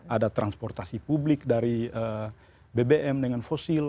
ada transportasi publik dari bbm dengan fosil